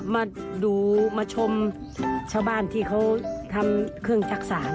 มาดูมาชมชาวบ้านที่เขาทำเครื่องจักษาน